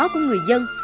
của người dân